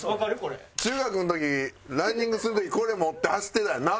中学の時ランニングする時これ持って走ってたんよな。